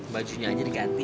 bajunya aja diganti